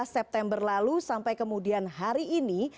dua belas september lalu sampai kemudian hari ini